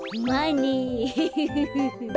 フフフフフ。